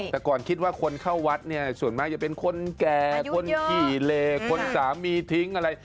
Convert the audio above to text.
แต่ก่อนคิดว่าคนเข้าวัดเนี่ยส่วนมากจะเป็นคนแก่คนขี่เลคนสามีทิ้งอะไร